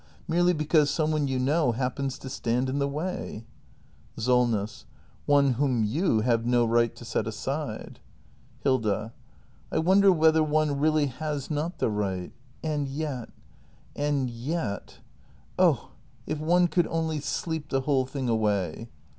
Merely because some one you know hap pens to stand in the way! Solness. One whom you have no right to set aside. act in] THE MASTER BUILDER 403 Hilda. I wonder whether one really has not the right ! And yet, and yet . Oh! if one could only sleep the whole thing away!